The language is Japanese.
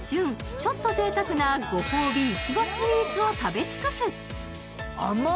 ちょっとぜいたくなご褒美いちごスイーツを食べ尽くす。